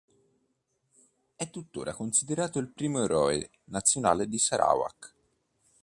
È tuttora considerato il primo eroe nazionale di Sarawak.